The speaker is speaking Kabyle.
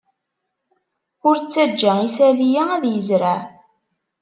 Ur ttajja isali-a ad yezreɛ.